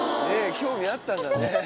興味あったんだね。